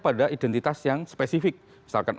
pada identitas yang spesifik misalkan